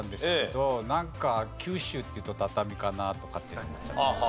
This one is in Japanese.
なんか九州っていうと畳かなとかっていうふうに思っちゃって。